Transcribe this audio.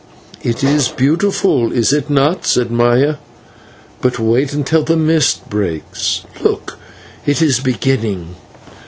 "It is beautiful, is it not?" said Maya. "But wait until the mist breaks. Look, it is beginning!"